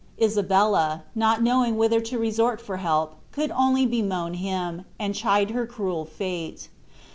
Isabella, not knowing whither to resort for help, could only bemoan him, and chide her cruel fate.